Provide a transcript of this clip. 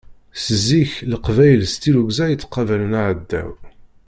Seg zik leqbayel s tirugza i ttqabalen aɛdaw.